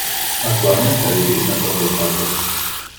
Actualment s'ha dividit en dos habitatges.